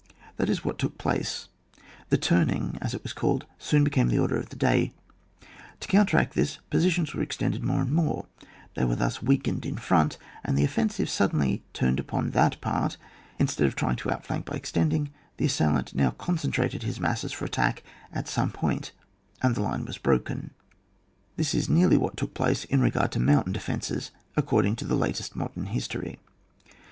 This is what took place— The turning^ as it was called, soon became the order of the day : to counteract this, positions were extended more and more ; they were thus weak ened in front, and the offensive suddenly turned upon that part : instead of trying to outflank by extending, the assailant now concentrated his masses for attack at some one point, and the line was broken. This is nearly what took place in regard to mountain defences according to the latest modem history.